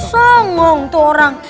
sengong tuh orang